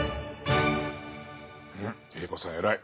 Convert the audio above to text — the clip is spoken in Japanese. うんＡ子さん偉い。